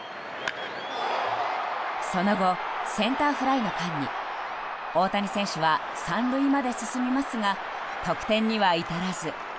その後、センターフライの間に大谷選手は３塁まで進みますが得点には至らず。